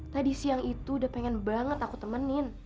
tadi siang itu udah pengen banget aku temenin